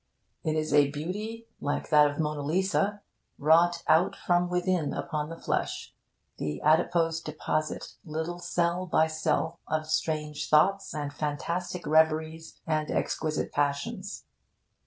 'It is a beauty,' like that of Mona Lisa, 'wrought out from within upon the flesh, the' adipose 'deposit, little cell by cell, of strange thoughts and fantastic reveries and exquisite passions.'